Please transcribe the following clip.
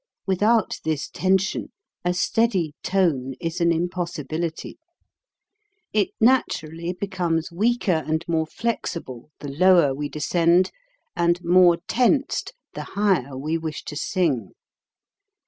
Without this tension a steady tone is an im possibility. It naturally becomes weaker and 284 HOW TO SING more flexible the lower we descend and more tensed the higher we wish to sing.